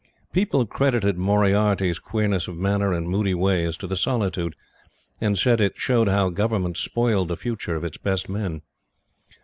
People credited Moriarty's queerness of manner and moody ways to the solitude, and said it showed how Government spoilt the futures of its best men.